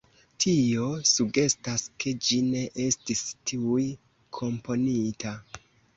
Tio sugestas ke ĝi ne estis tuj komponita.